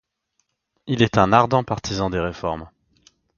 Il est un ardent partisan des réformes.